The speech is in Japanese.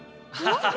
ハハハハ！